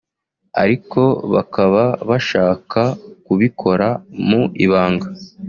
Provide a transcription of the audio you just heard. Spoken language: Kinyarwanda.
ariko bakaba bashaka kubikora mu ibanga